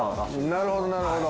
なるほどなるほど。